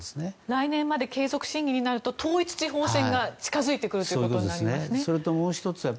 来年まで継続審議になると統一地方選が近づいてくることになりますね。